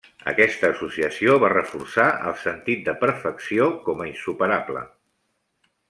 Aquesta associació va reforçar el sentit de perfecció com a insuperable.